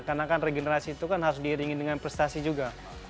karena kan regenerasi itu kan harus diiringi dengan prestasi juga